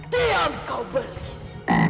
diam kau belis